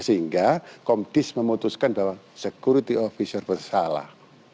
sehingga komdis memutuskan bahwa security officer bersalah